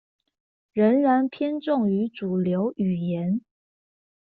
仍然偏重於主流語言